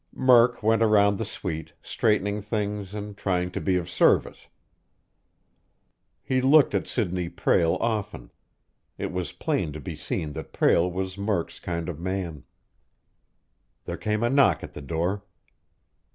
Murk went around the suite, straightening things and trying to be of service. He looked at Sidney Prale often; it was plain to be seen that Prale was Murk's kind of man. There came a knock at the door.